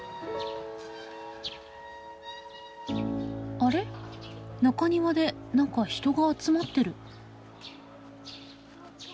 あれ中庭で何か人が集まってる。